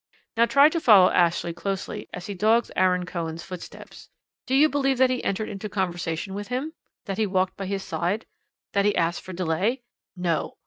Now try to follow Ashley closely, as he dogs Aaron Cohen's footsteps. Do you believe that he entered into conversation with him? That he walked by his side? That he asked for delay? No!